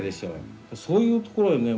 そういうところをね